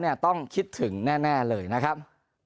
ต้องคิดถึงแน่เลยนะครับ